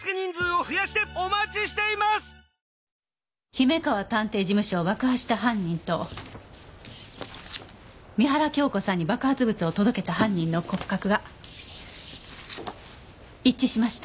姫川探偵事務所を爆破した犯人と三原京子さんに爆発物を届けた犯人の骨格が一致しました